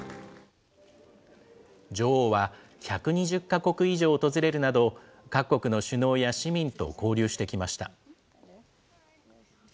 女王は１２０か国以上訪れるなど、各国の首脳や市民と交流してきました。